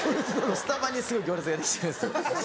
スタバにすごい行列ができてるんですよ。